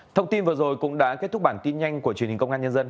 thông tin vừa rồi cũng đã kết thúc bản tin nhanh của truyền hình công an nhân dân